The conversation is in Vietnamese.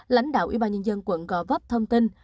lãnh đạo ubnd quận gò vóp thông tin